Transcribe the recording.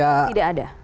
atau tidak ada